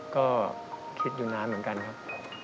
ก็คิดอยู่นานเหมือนกันครับ